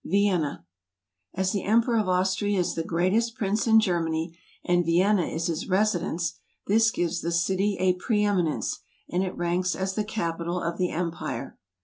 Vienna . As the Emperor of Austria is the greatest Prince in Germany, and Vienna is his residence, this gives the city a pre eminence, and it ranks as the capital of the empire.